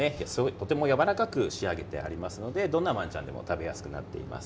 とってもやわらかく仕上げてありますのでどんなワンちゃんでも食べやすくなっています。